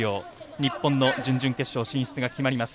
日本の準々決勝進出が決まります。